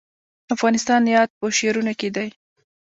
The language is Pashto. د افغانستان یاد په شعرونو کې دی